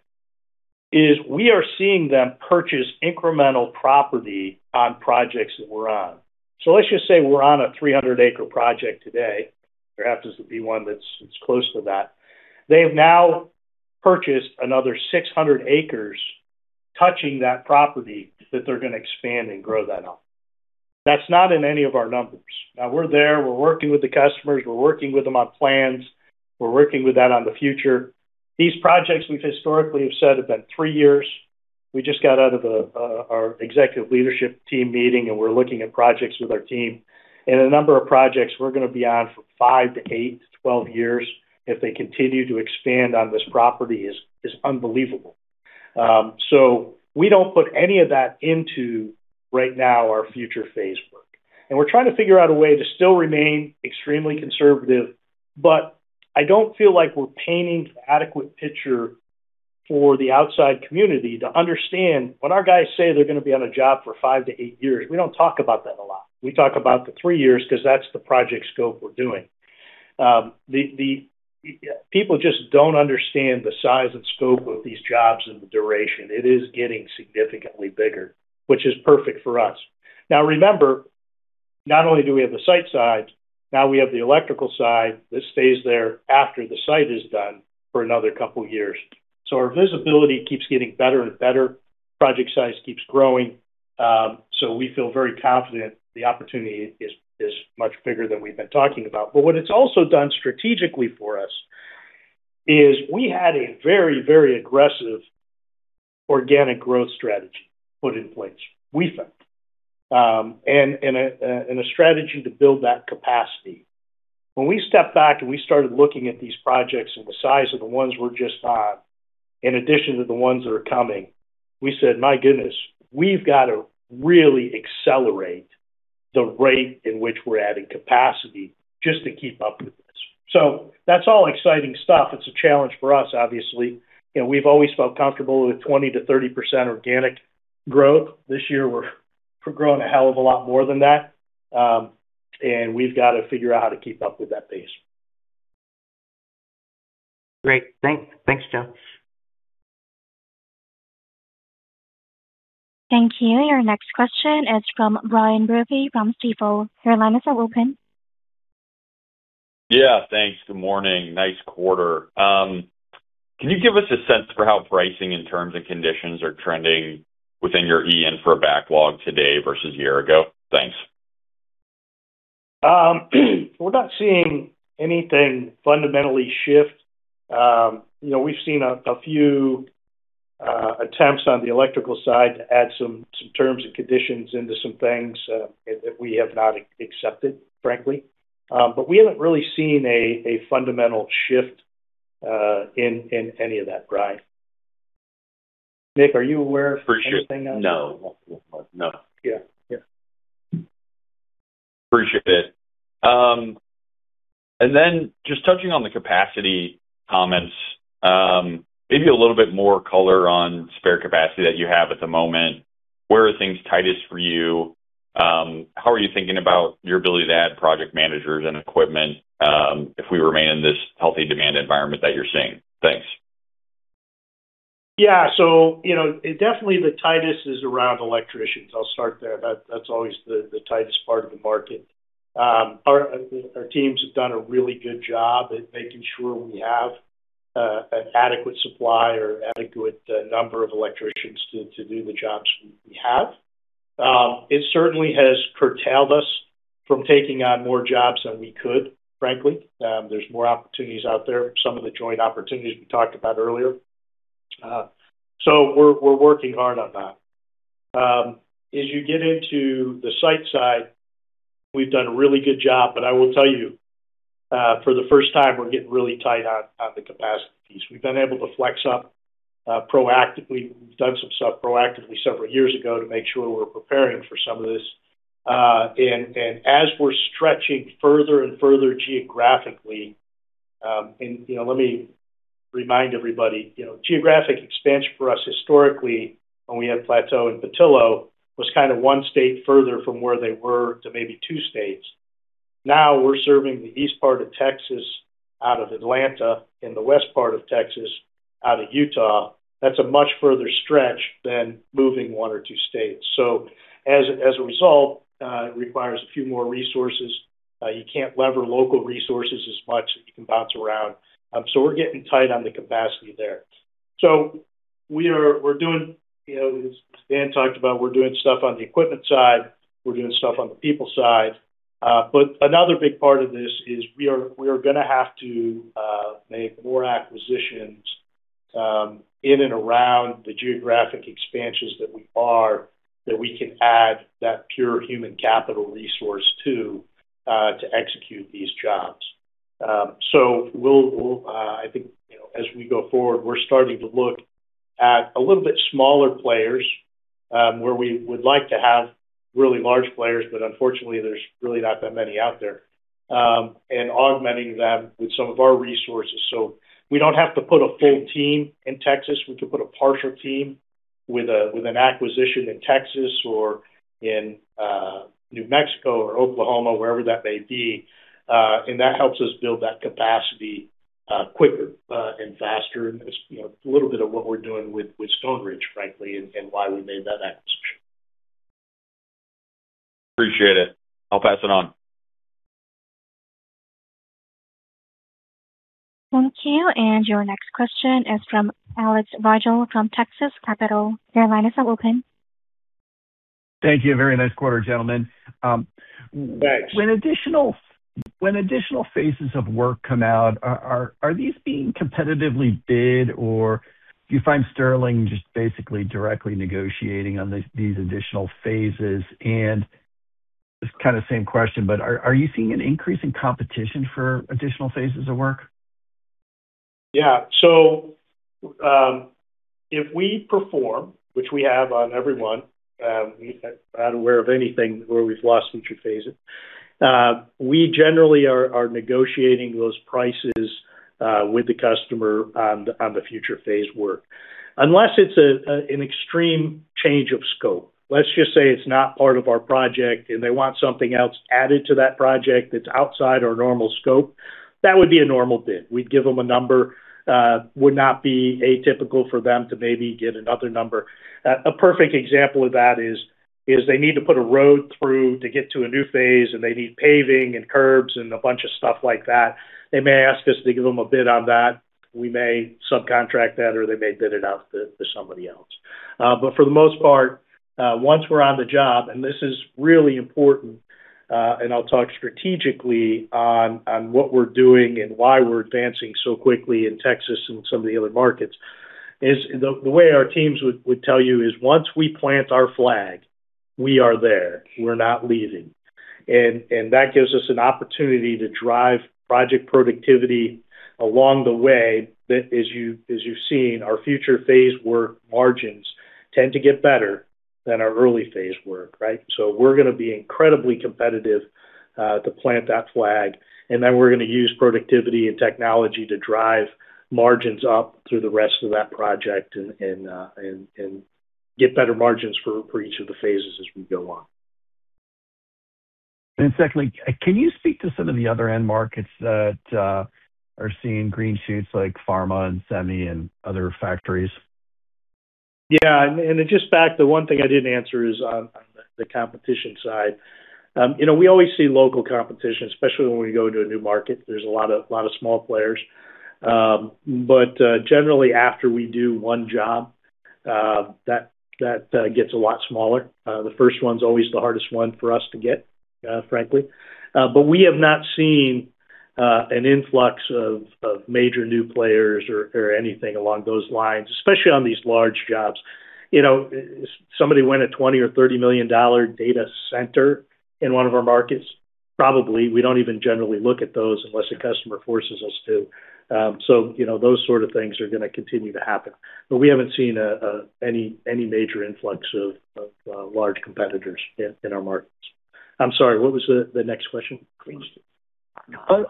is we are seeing them purchase incremental property on projects that we're on. Let's just say we're on a 300-acre project today. Perhaps this will be one that's close to that. They have now purchased another 600 acres touching that property that they're going to expand and grow that on. That's not in any of our numbers. We're there, we're working with the customers, we're working with them on plans, we're working with that on the future. These projects we've historically have said have been three years. We just got out of our executive leadership team meeting, and we're looking at projects with our team. A number of projects we're going to be on for 5 to 8 to 12 years if they continue to expand on this property is unbelievable. We don't put any of that into, right now, our future phase work. We're trying to figure out a way to still remain extremely conservative, but I don't feel like we're painting an adequate picture for the outside community to understand when our guys say they're going to be on a job for five to eight years, we don't talk about that a lot. We talk about the three years because that's the project scope we're doing. People just don't understand the size and scope of these jobs and the duration. It is getting significantly bigger, which is perfect for us. Remember, not only do we have the site side, we have the electrical side that stays there after the site is done for another couple of years. Our visibility keeps getting better and better. Project size keeps growing. We feel very confident the opportunity is much bigger than we've been talking about. What it's also done strategically for us is we had a very aggressive organic growth strategy put in place, we think, and a strategy to build that capacity. When we stepped back and we started looking at these projects and the size of the ones we're just on, in addition to the ones that are coming, we said, "My goodness, we've got to really accelerate the rate in which we're adding capacity just to keep up with this." That's all exciting stuff. It's a challenge for us, obviously. We've always felt comfortable with 20%-30% organic growth. This year, we're growing a hell of a lot more than that. We've got to figure out how to keep up with that pace. Great. Thanks, Joe. Thank you. Your next question is from Brian Brophy from Stifel. Your line is open. Yeah, thanks. Good morning. Nice quarter. Can you give us a sense for how pricing in terms and conditions are trending within your E-I for backlog today versus a year ago? Thanks. We're not seeing anything fundamentally shift. We've seen a few attempts on the electrical side to add some terms and conditions into some things that we have not accepted, frankly. We haven't really seen a fundamental shift in any of that, Brian. Nick, are you aware of anything? For sure. No. Yeah. Appreciate it. Then just touching on the capacity comments, maybe a little bit more color on spare capacity that you have at the moment. Where are things tightest for you? How are you thinking about your ability to add project managers and equipment if we remain in this healthy demand environment that you're seeing? Thanks. Yeah. Definitely the tightest is around electricians. I'll start there. That's always the tightest part of the market. Our teams have done a really good job at making sure we have an adequate supply or adequate number of electricians to do the jobs we have. It certainly has curtailed us from taking on more jobs than we could, frankly. There's more opportunities out there, some of the joint opportunities we talked about earlier. We're working hard on that. As you get into the site side, we've done a really good job, I will tell you, for the first time, we're getting really tight on the capacity piece. We've been able to flex up proactively. We've done some stuff proactively several years ago to make sure we're preparing for some of this. As we're stretching further and further geographically, and let me remind everybody, geographic expansion for us historically when we had Plateau and Petillo, was kind of one state further from where they were to maybe two states. Now we're serving the east part of Texas out of Atlanta and the west part of Texas out of Utah. That's a much further stretch than moving one or two states. As a result, it requires a few more resources. You can't lever local resources as much that you can bounce around. We're getting tight on the capacity there. As Dan talked about, we're doing stuff on the equipment side, we're doing stuff on the people side. But another big part of this is we are going to have to make more acquisitions in and around the geographic expansions that we are, that we can add that pure human capital resource to execute these jobs. I think as we go forward, we're starting to look at a little bit smaller players, where we would like to have really large players, but unfortunately, there's really not that many out there. Augmenting them with some of our resources. We don't have to put a full team in Texas. We could put a partial team with an acquisition in Texas or in New Mexico or Oklahoma, wherever that may be. That helps us build that capacity quicker and faster. It's a little bit of what we're doing with StoneRidge, frankly, and why we made that acquisition. Appreciate it. I'll pass it on. Thank you. Your next question is from Alex Vogel from Texas Capital. Your line is open. Thank you. Very nice quarter, gentlemen. Thanks. When additional phases of work come out, are these being competitively bid, or do you find Sterling just basically directly negotiating on these additional phases? This is kind of same question, but are you seeing an increase in competition for additional phases of work? Yeah. If we perform, which we have on every one, I'm not aware of anything where we've lost future phases. We generally are negotiating those prices with the customer on the future phase work. Unless it's an extreme change of scope. Let's just say it's not part of our project and they want something else added to that project that's outside our normal scope. That would be a normal bid. We'd give them a number. Would not be atypical for them to maybe get another number. A perfect example of that is they need to put a road through to get to a new phase, they need paving and curbs and a bunch of stuff like that. They may ask us to give them a bid on that. We may subcontract that, or they may bid it out to somebody else. For the most part, once we're on the job, this is really important. I'll talk strategically on what we're doing and why we're advancing so quickly in Texas and some of the other markets, is the way our teams would tell you is once we plant our flag, we are there. We're not leaving. That gives us an opportunity to drive project productivity along the way that, as you've seen, our future phase work margins tend to get better than our early phase work, right? We're going to be incredibly competitive to plant that flag, then we're going to use productivity and technology to drive margins up through the rest of that project and get better margins for each of the phases as we go on. Secondly, can you speak to some of the other end markets that are seeing green shoots like pharma and semi and other factories? Yeah. Just back, the one thing I didn't answer is on the competition side. We always see local competition, especially when we go into a new market. There's a lot of small players. Generally, after we do one job, that gets a lot smaller. The first one's always the hardest one for us to get, frankly. We have not seen an influx of major new players or anything along those lines, especially on these large jobs. If somebody win a $20 million or $30 million data center in one of our markets, probably we don't even generally look at those unless the customer forces us to. Those sort of things are going to continue to happen, but we haven't seen any major influx of large competitors in our markets. I'm sorry, what was the next question, please?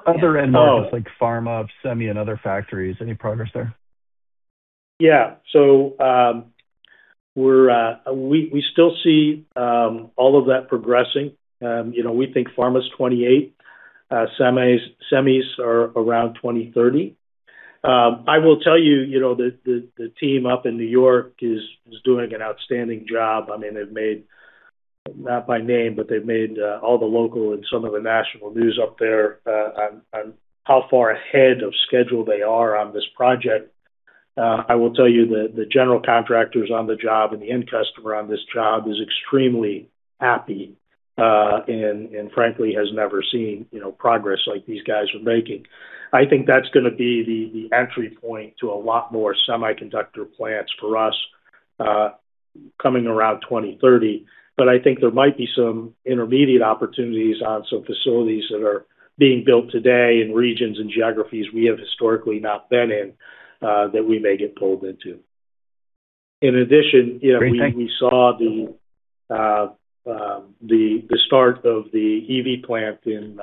Other end markets like pharma, semi, and other factories. Any progress there? Yeah. We still see all of that progressing. We think pharma's 2028, semis are around 2030. I will tell you, the team up in New York is doing an outstanding job. They've made, not by name, but they've made all the local and some of the national news up there on how far ahead of schedule they are on this project. I will tell you that the general contractors on the job and the end customer on this job is extremely happy, and frankly, has never seen progress like these guys are making. I think that's going to be the entry point to a lot more semiconductor plants for us, coming around 2030. I think there might be some intermediate opportunities on some facilities that are being built today in regions and geographies we have historically not been in, that we may get pulled into. In addition. Great, thank you. We saw the start of the EV plant in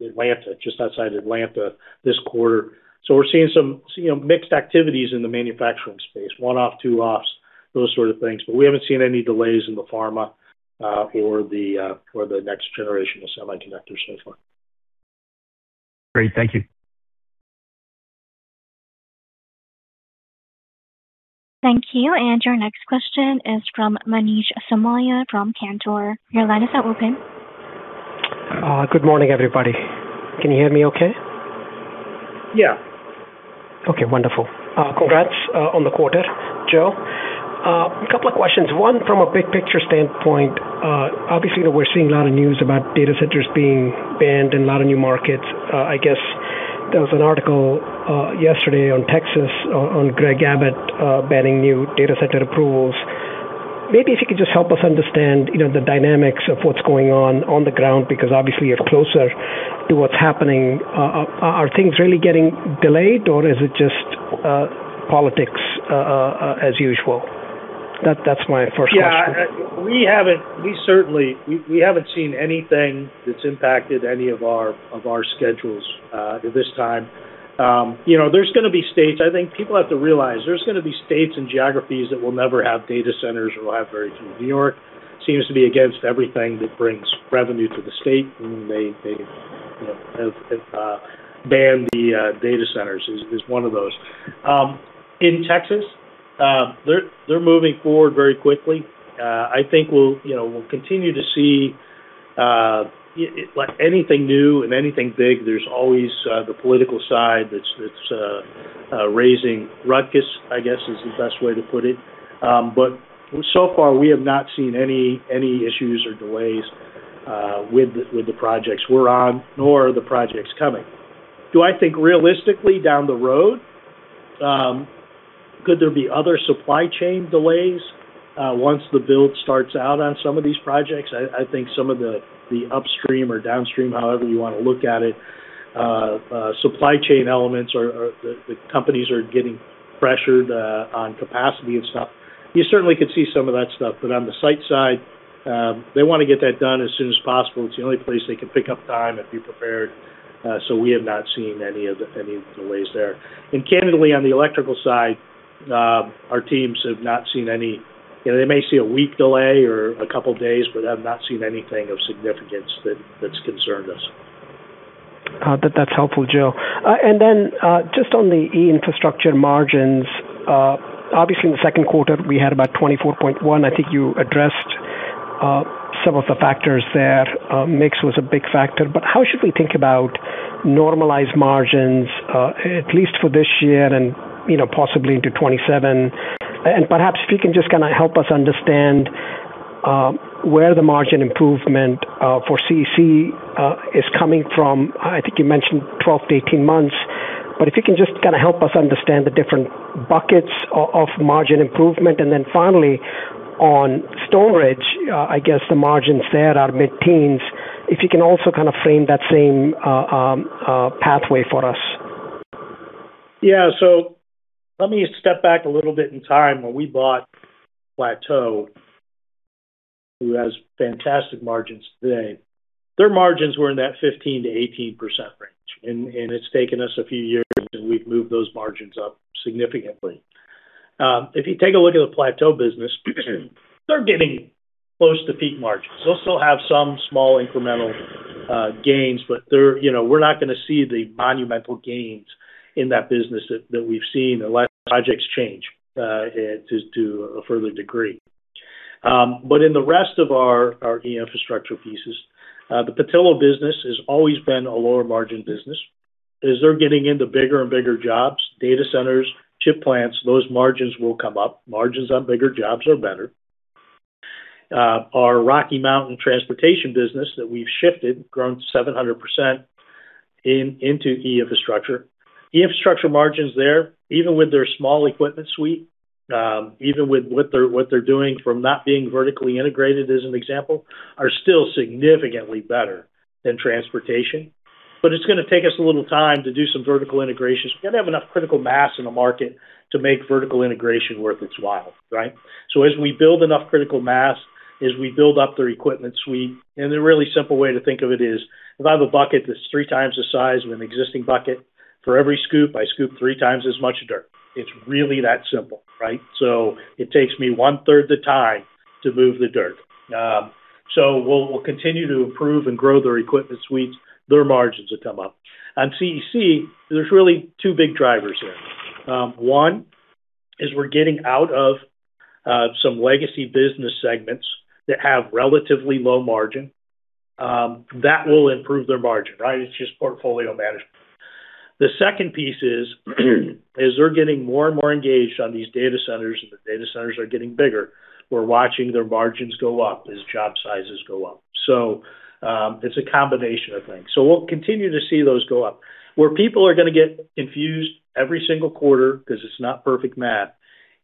Atlanta, just outside Atlanta, this quarter. We're seeing some mixed activities in the manufacturing space. One-off, two-offs, those sorts of things, we haven't seen any delays in the pharma or the next generation of semiconductors so far. Great. Thank you. Thank you. Your next question is from Manish Somaiya, from Cantor. Your line is now open. Good morning, everybody. Can you hear me okay? Yeah. Okay, wonderful. Congrats on the quarter, Joe. A couple of questions. One, from a big picture standpoint, obviously we're seeing a lot of news about data centers being banned in a lot of new markets. I guess there was an article yesterday on Texas on Greg Abbott banning new data center approvals. Maybe if you could just help us understand the dynamics of what's going on on the ground, because obviously you're closer to what's happening. Are things really getting delayed or is it just politics as usual? That's my first question. Yeah. We certainly haven't seen anything that's impacted any of our schedules at this time. There's going to be states, I think people have to realize, there's going to be states and geographies that will never have data centers or will have very few. New York seems to be against everything that brings revenue to the state, and they have banned the data centers, is one of those. In Texas, they're moving forward very quickly. I think we'll continue to see Like anything new and anything big, there's always the political side that's raising ruckus, I guess, is the best way to put it. So far, we have not seen any issues or delays with the projects we're on, nor the projects coming. Do I think realistically down the road, could there be other supply chain delays once the build starts out on some of these projects? I think some of the upstream or downstream, however you want to look at it, supply chain elements or the companies are getting pressured on capacity and stuff. You certainly could see some of that stuff. On the site side, they want to get that done as soon as possible. It's the only place they can pick up time if you're prepared. We have not seen any of the delays there. Candidly, on the electrical side, our teams have not seen any. They may see a 1-week delay or a couple of days but have not seen anything of significance that's concerned us. That's helpful, Joe. Just on the e-infrastructure margins, obviously in the second quarter, we had about 24.1. I think you addressed some of the factors there. Mix was a big factor. How should we think about normalized margins, at least for this year and possibly into 2027? Perhaps if you can just kind of help us understand where the margin improvement for CEC is coming from. I think you mentioned 12 to 18 months. If you can just kind of help us understand the different buckets of margin improvement. Finally, on StoneRidge, I guess the margins there are mid-teens. If you can also kind of frame that same pathway for us. Let me step back a little bit in time when we bought Plateau, who has fantastic margins today. Their margins were in that 15% to 18% range. It's taken us a few years, and we've moved those margins up significantly. If you take a look at the Plateau business, they're getting close to peak margins. They'll still have some small incremental gains. We're not going to see the monumental gains in that business that we've seen unless projects change to a further degree. In the rest of our e-infrastructure pieces, the Petillo business has always been a lower margin business. As they're getting into bigger and bigger jobs, data centers, chip plants, those margins will come up. Margins on bigger jobs are better. Our Rocky Mountain transportation business that we've shifted, grown 700% into e-infrastructure. E-infrastructure margins there, even with their small equipment suite, even with what they're doing from not being vertically integrated, as an example, are still significantly better than transportation. It's going to take us a little time to do some vertical integrations. We've got to have enough critical mass in the market to make vertical integration worth its while, right? As we build enough critical mass, as we build up their equipment suite, the really simple way to think of it is, if I have a bucket that's three times the size of an existing bucket, for every scoop, I scoop three times as much dirt. It's really that simple, right? It takes me one-third the time to move the dirt. We'll continue to improve and grow their equipment suites; their margins will come up. On CEC, there's really two big drivers here. We're getting out of some legacy business segments that have relatively low margin. That will improve their margin, right? It's just portfolio management. The second piece is, as they're getting more and more engaged on these data centers, and the data centers are getting bigger, we're watching their margins go up as job sizes go up. It's a combination of things. We'll continue to see those go up. Where people are going to get confused every single quarter, because it's not perfect math,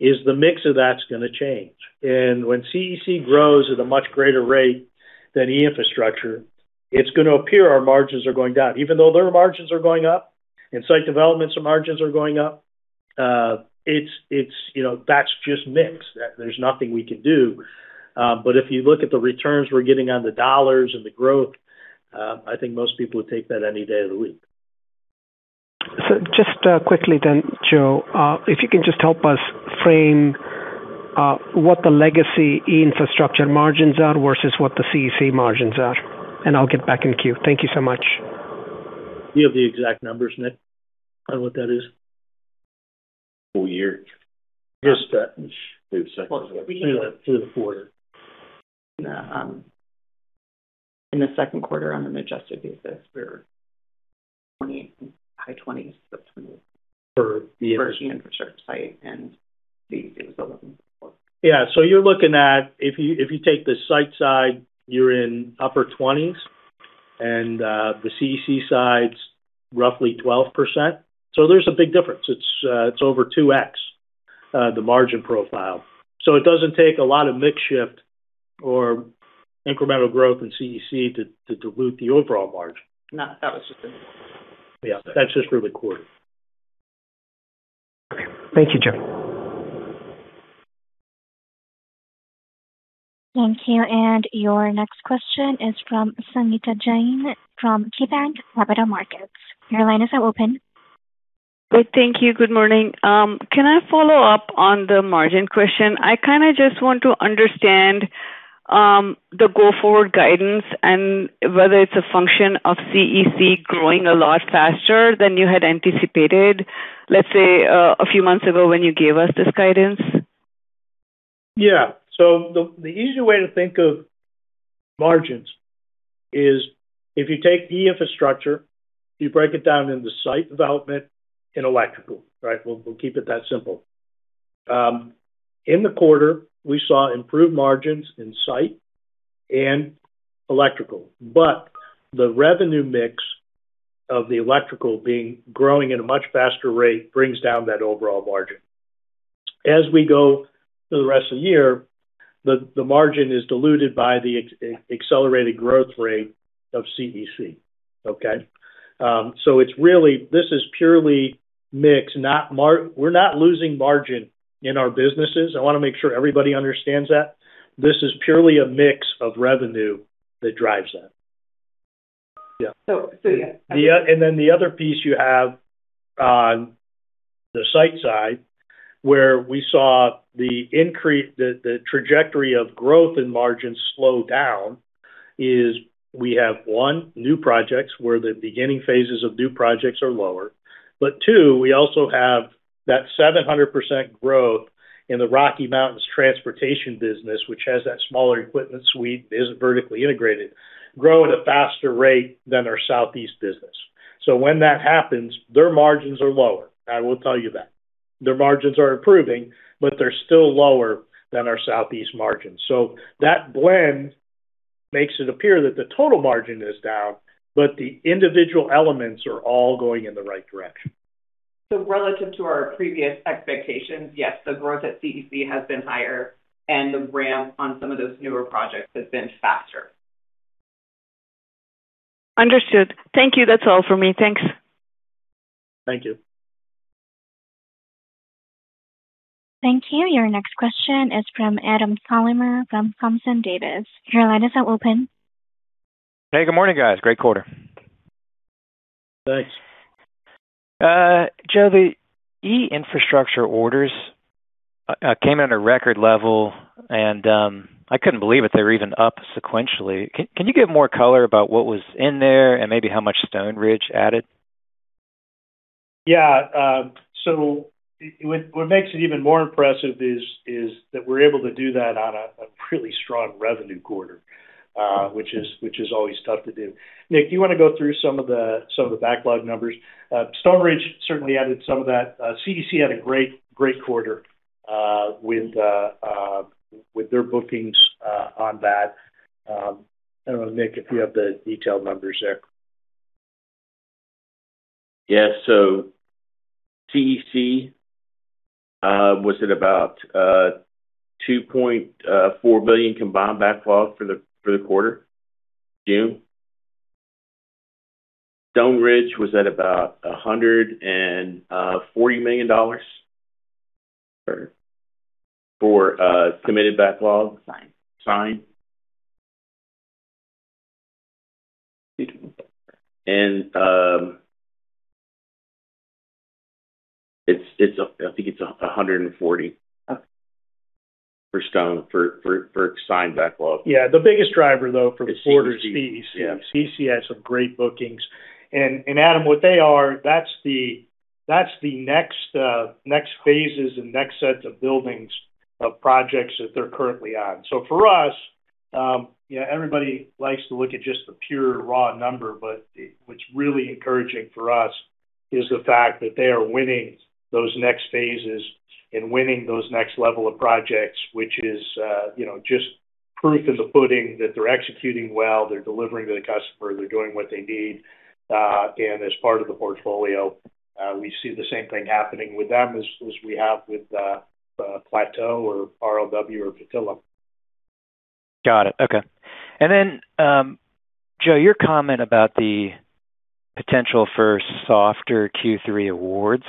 is the mix of that's going to change. When CEC grows at a much greater rate than E-infrastructure, it's going to appear our margins are going down, even though their margins are going up and site developments margins are going up. That's just mix. There's nothing we can do. If you look at the returns we're getting on the dollars and the growth, I think most people would take that any day of the week. Just quickly then, Joe, if you can just help us frame what the legacy E-infrastructure margins are versus what the CEC margins are, and I'll get back in queue. Thank you so much. Do you have the exact numbers, Nick, on what that is? Full year? Just- We have second quarter. Well, we can do it for the quarter. In the second quarter, on an adjusted basis, we're high twenties. For the E-infrastructure? For E-infrastructure site and CEC was 11.4. Yeah. You're looking at, if you take the site side, you're in upper 20s, and the CEC side's roughly 12%. There's a big difference. It's over 2x the margin profile. It doesn't take a lot of mix shift or incremental growth in CEC to dilute the overall margin. No, that was just- Yeah. That's just for the quarter. Okay. Thank you, Joe. Thank you. Your next question is from Sangita Jain, from KeyBanc Capital Markets. Your line is now open. Great. Thank you. Good morning. Can I follow up on the margin question? I kind of just want to understand the go-forward guidance and whether it's a function of CEC growing a lot faster than you had anticipated, let's say, a few months ago when you gave us this guidance. The easy way to think of margins is if you take E-infrastructure, you break it down into site development and electrical, right? We'll keep it that simple. In the quarter, we saw improved margins in site and electrical, but the revenue mix of the electrical growing at a much faster rate brings down that overall margin. As we go through the rest of the year, the margin is diluted by the accelerated growth rate of CEC. Okay. This is purely mix. We're not losing margin in our businesses. I want to make sure everybody understands that. This is purely a mix of revenue that drives that. The other piece you have on the site side, where we saw the trajectory of growth and margins slow down is we have, one, new projects, where the beginning phases of new projects are lower. Two, we also have that 700% growth in the Rocky Mountains transportation business, which has that smaller equipment suite, isn't vertically integrated, grow at a faster rate than our Southeast business. When that happens, their margins are lower. I will tell you that. Their margins are improving, but they're still lower than our Southeast margins. That blend makes it appear that the total margin is down, but the individual elements are all going in the right direction. Relative to our previous expectations, yes, the growth at CEC has been higher, and the ramp on some of those newer projects has been faster. Understood. Thank you. That's all for me. Thanks. Thank you. Thank you. Your next question is from Adam Thalhimer, from Thompson Davis. Your line is now open. Hey, good morning, guys. Great quarter. Thanks. Joe, the E-infrastructure orders came in at a record level. I couldn't believe it. They were even up sequentially. Can you give more color about what was in there and maybe how much StoneRidge added? Yeah. What makes it even more impressive is that we're able to do that on a really strong revenue quarter, which is always tough to do. Nick, do you want to go through some of the backlog numbers? StoneRidge certainly added some of that. CEC had a great quarter with their bookings on that. I don't know, Nick, if you have the detailed numbers there. Yeah. CEC Was it about $2.4 billion combined backlog for the quarter, June? StoneRidge was at about $140 million for committed backlog. Signed. Signed. I think it's $140 for signed backlog. Yeah. The biggest driver, though, for the quarter is CEC. Yeah. Adam, what they are, that's the next phases and next sets of buildings of projects that they're currently on. For us, everybody likes to look at just the pure raw number, what's really encouraging for us is the fact that they are winning those next phases and winning those next level of projects, which is just proof in the pudding that they're executing well. They're delivering to the customer. They're doing what they need. As part of the portfolio, we see the same thing happening with them as we have with Plateau or RLW or Petillo. Got it. Okay. Joe, your comment about the potential for softer Q3 awards.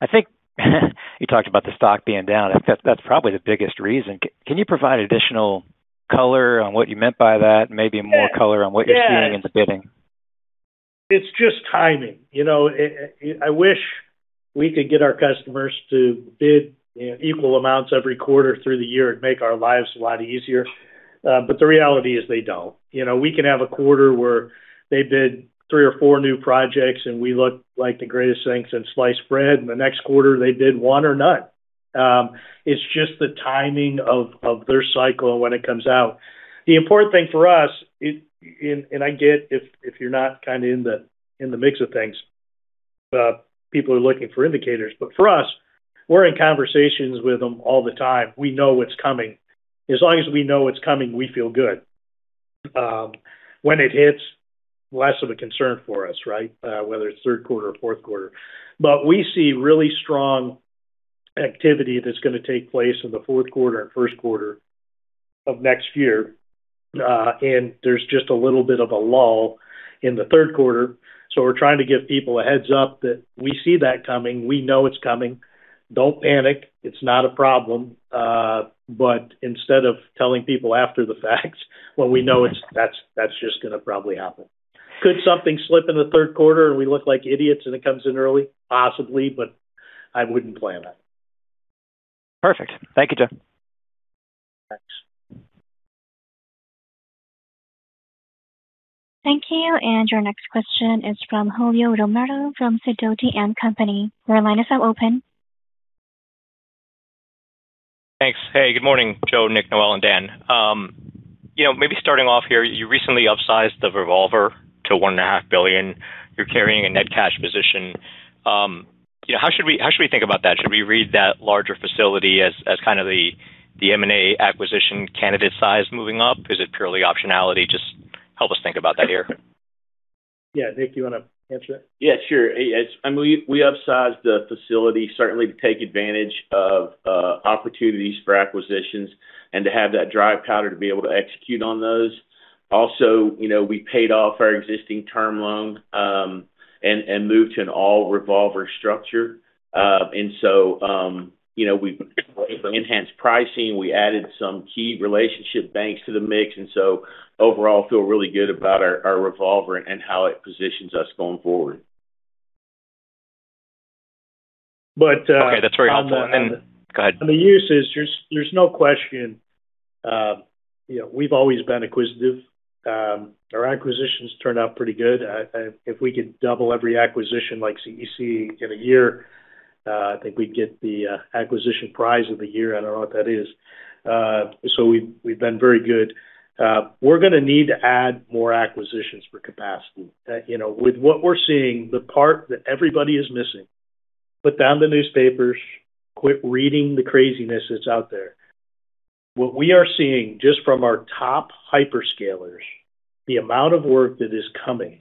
I think you talked about the stock being down. That's probably the biggest reason. Can you provide additional color on what you meant by that and maybe more color on what you're seeing in the bidding? It's just timing. I wish we could get our customers to bid equal amounts every quarter through the year. It'd make our lives a lot easier. The reality is they don't. We can have a quarter where they bid three or four new projects, and we look like the greatest thing since sliced bread, the next quarter, they bid one or none. It's just the timing of their cycle and when it comes out. The important thing for us, I get if you're not in the mix of things, people are looking for indicators. For us, we're in conversations with them all the time. We know what's coming. As long as we know it's coming, we feel good. When it hits, less of a concern for us, right? Whether it's third quarter or fourth quarter. We see really strong activity that's going to take place in the fourth quarter and first quarter of next year. There's just a little bit of a lull in the third quarter. We're trying to give people a heads up that we see that coming. We know it's coming. Don't panic. It's not a problem. Instead of telling people after the fact when we know that's just going to probably happen. Could something slip in the third quarter, and we look like idiots and it comes in early? Possibly, I wouldn't plan on it. Perfect. Thank you, Joe. Thanks. Thank you. Your next question is from Julio Romero from Sidoti & Company. Your line is now open. Thanks. Hey, good morning, Joe, Nick, Noelle, and Dan. Maybe starting off here, you recently upsized the revolver to one and a half billion. You're carrying a net cash position. How should we think about that? Should we read that larger facility as the M&A acquisition candidate size moving up? Is it purely optionality? Just help us think about that here. Yeah. Nick, you want to answer that? Yeah, sure. We upsized the facility certainly to take advantage of opportunities for acquisitions and to have that dry powder to be able to execute on those. Also, we paid off our existing term loan and moved to an all-revolver structure. We've enhanced pricing. We added some key relationship banks to the mix, overall, feel really good about our revolver and how it positions us going forward. Okay. That's very helpful. Go ahead. The use is there's no question. We've always been acquisitive. Our acquisitions turned out pretty good. If we could double every acquisition like CEC in a year, I think we'd get the acquisition prize of the year. I don't know what that is. We've been very good. We're going to need to add more acquisitions for capacity. With what we're seeing, the part that everybody is missing. Put down the newspapers, quit reading the craziness that's out there. What we are seeing just from our top hyperscalers, the amount of work that is coming,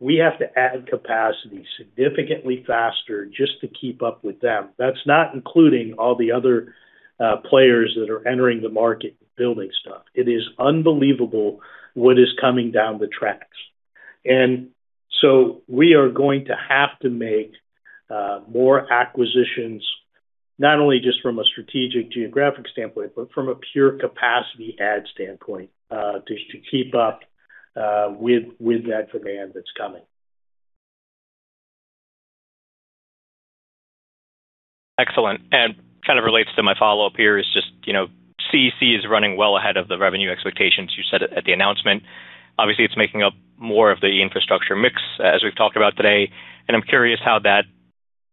we have to add capacity significantly faster just to keep up with them. That's not including all the other players that are entering the market and building stuff. It is unbelievable what is coming down the tracks. We are going to have to make more acquisitions, not only just from a strategic geographic standpoint, but from a pure capacity add standpoint to keep up with that demand that's coming. Excellent. Relates to my follow-up here is just, CEC is running well ahead of the revenue expectations you said at the announcement. Obviously, it's making up more of the infrastructure mix as we've talked about today. I'm curious how that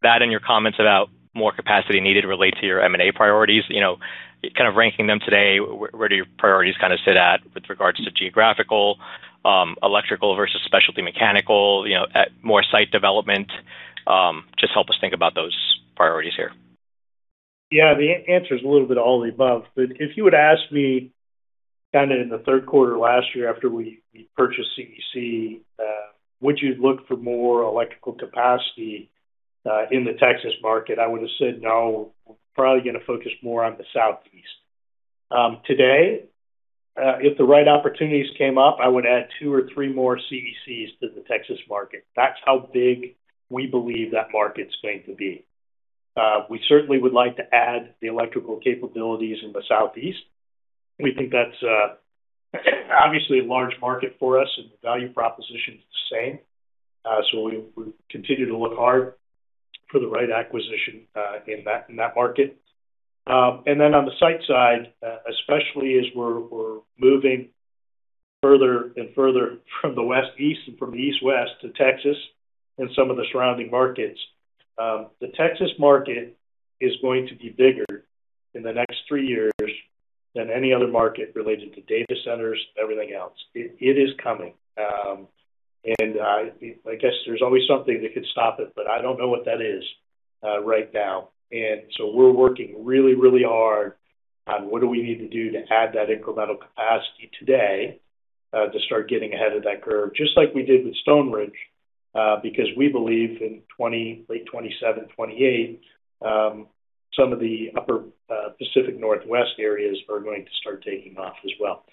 and your comments about more capacity needed relate to your M&A priorities. Kind of ranking them today, where do your priorities sit at with regards to geographical, electrical versus specialty mechanical, more site development? Just help us think about those priorities here. Yeah. The answer is a little bit all of the above. If you were to ask me in the third quarter last year after we purchased CEC, would you look for more electrical capacity in the Texas market? I would have said, no, we're probably going to focus more on the Southeast. Today, if the right opportunities came up, I would add two or three more CECs to the Texas market. That's how big we believe that market's going to be. We certainly would like to add the electrical capabilities in the Southeast. We think that's obviously a large market for us, and the value proposition's the same. We continue to look hard for the right acquisition in that market. On the site side, especially as we're moving further and further from the west, east and from the east, west to Texas and some of the surrounding markets. The Texas market is going to be bigger in the next three years than any other market related to data centers and everything else. It is coming. I guess there's always something that could stop it, but I don't know what that is right now. We're working really hard on what do we need to do to add that incremental capacity today, to start getting ahead of that curve. Just like we did with StoneRidge, because we believe in late 2027, 2028, some of the upper Pacific Northwest areas are going to start taking off as well.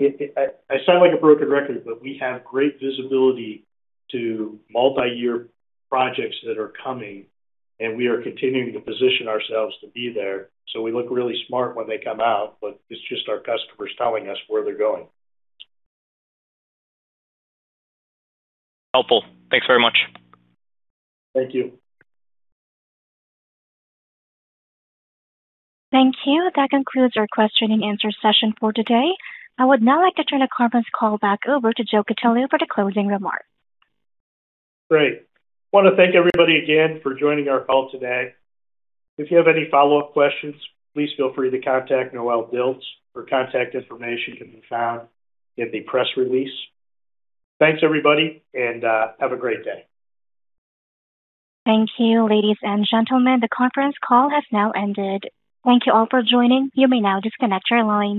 I sound like a broken record, but we have great visibility to multiyear projects that are coming, and we are continuing to position ourselves to be there, so we look really smart when they come out, but it's just our customers telling us where they're going. Helpful. Thanks very much. Thank you. Thank you. That concludes our question-and-answer session for today. I would now like to turn the conference call back over to Joe Cutillo for the closing remarks. Great. Wanna thank everybody again for joining our call today. If you have any follow-up questions, please feel free to contact Noelle Dilts. Her contact information can be found in the press release. Thanks, everybody, and have a great day. Thank you, ladies and gentlemen, the conference call has now ended. Thank you all for joining. You may now disconnect your lines.